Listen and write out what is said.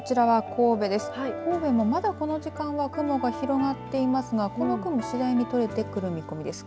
神戸もまだこの時間は雲が広がっていますがこの雲、次第に取れてくる見込みです。